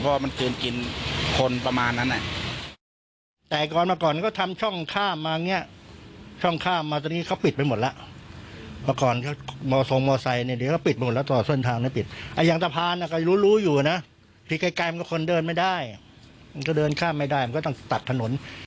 เพราะว่ามันคืนกินคนประมาณนั้น